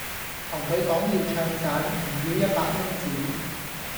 同佢講要唱散，唔要一百蚊紙